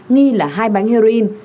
nghi là hai bánh heroin